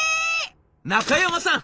「中山さん